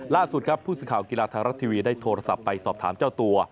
ล่าสุดครับผู้สื่อข่าวกีฬาไทยรัฐทีวีได้โทรศัพท์ไปสอบถามเจ้าตัว